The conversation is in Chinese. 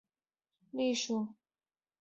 新店线蕨为水龙骨科线蕨属下的一个种。